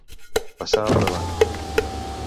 Passar al davant.